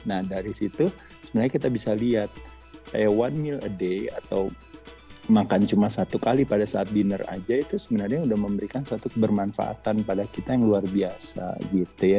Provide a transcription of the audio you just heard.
nah dari situ sebenarnya kita bisa lihat one meal a day atau makan cuma satu kali pada saat dinner aja itu sebenarnya udah memberikan satu kebermanfaatan pada kita yang luar biasa gitu ya